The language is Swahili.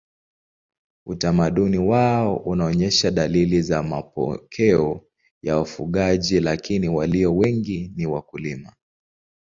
Utamaduni wao unaonyesha dalili za mapokeo ya wafugaji lakini walio wengi ni wakulima.